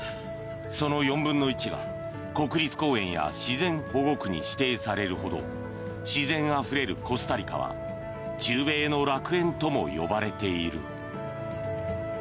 その４分の１が国立公園や自然保護区に指定されるほど自然あふれるコスタリカは中米の楽園とも呼ばれている。